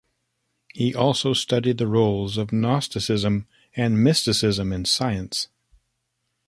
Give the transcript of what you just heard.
He also studied the roles of gnosticism and mysticism in science.